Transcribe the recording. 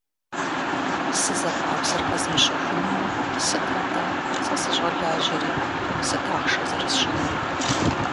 Сызэхъуапсэр къэзмыщэхунумэ, сыт, атӏэ, сэ сыщӏэлажьэри, сыт ахъшэ зэрысщӏынури?